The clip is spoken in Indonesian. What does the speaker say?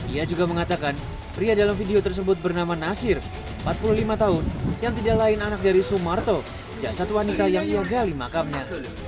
ia juga mengatakan pria dalam video tersebut bernama nasir empat puluh lima tahun yang tidak lain anak dari sumarto jasad wanita yang ia gali makamnya